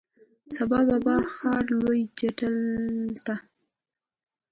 سبا بابا د ښار لوی جیل ته،